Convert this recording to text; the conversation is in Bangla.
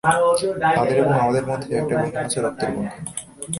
তাদের এবং আমাদের মধ্যে একটাই বন্ধন আছে, রক্তের বন্ধন।